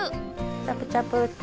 チャプチャプッて。